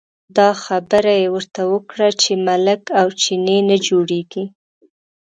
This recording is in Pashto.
دا خبره یې ورته وکړه چې ملک او چینی نه جوړېږي.